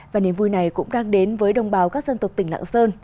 và niềm vui này cũng đang đến với đồng bào các dân tộc tỉnh lạng sơn